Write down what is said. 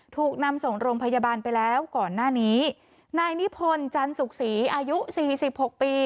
ถูกนำส่งโรงพยาบาลไปแล้วก่อนหน้านี้นายนิพนธ์จันสุขศรีอายุสี่สิบหกปี